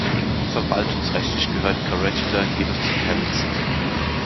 Verwaltungsrechtlich gehört Corregidor jedoch zu Cavite City.